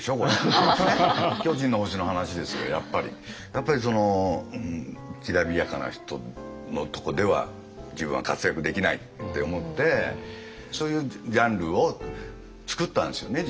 やっぱりそのきらびやかな人のとこでは自分は活躍できないって思ってそういうジャンルを作ったんですよね